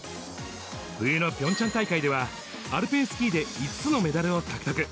冬のピョンチャン大会では、アルペンスキーで５つのメダルを獲得。